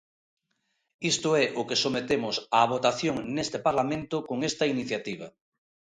Isto é o que sometemos á votación neste Parlamento con esta iniciativa.